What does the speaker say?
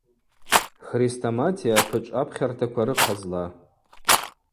Хрестоматия апычӏв апхьартаква рыхъазла.